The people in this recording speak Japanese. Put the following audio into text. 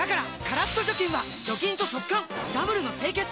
カラッと除菌は除菌と速乾ダブルの清潔！